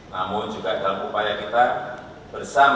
namun juga dalam upaya kita bersama